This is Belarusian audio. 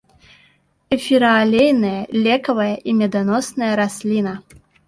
Эфіраалейная, лекавая і меданосная расліна.